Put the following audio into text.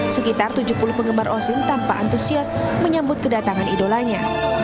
sekitar tujuh puluh penggemar osin tanpa antusias menyambut kedatangan idolanya